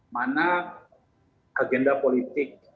mana agenda politik